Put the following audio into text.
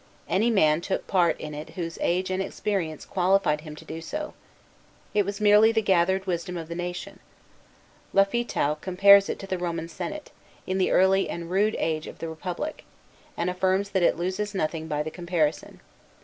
Any man took part in it whose age and experience qualified him to do so. It was merely the gathered wisdom of the nation. Lafitau compares it to the Roman Senate, in the early and rude age of the Republic, and affirms that it loses nothing by the comparison.